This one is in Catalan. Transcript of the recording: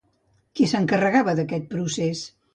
Qui s'encarregava d'aquest procés?